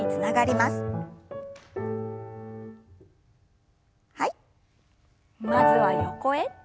まずは横へ。